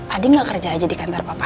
adi nggak kerja aja di kantor papa